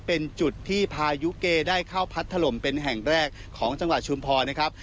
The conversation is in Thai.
เป็นจุดที่พายุเกได้เข้าพัดถล่มเป็นแห่งแรกของจังหวัดชุมพรนะครับ